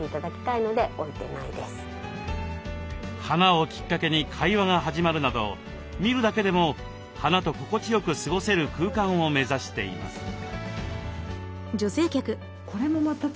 花をきっかけに会話が始まるなど見るだけでも花と心地よく過ごせる空間を目指しています。